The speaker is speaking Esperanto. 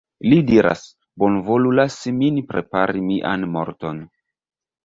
Li diras, "Bonvolu lasi min prepari mian morton.